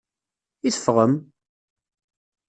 I teffɣem?